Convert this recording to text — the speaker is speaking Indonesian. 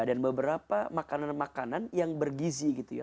dan beberapa makanan makanan yang bergizi gitu ya